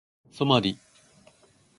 ソマリ